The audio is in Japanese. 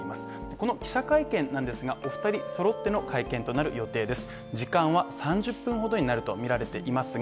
この記者会見なんですが、お２人揃っての会見となる予定です。